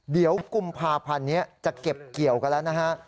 เดี๋ยวกุมภาพันธ์นี้จะเก็บเกี่ยวกันแล้วนะฮะ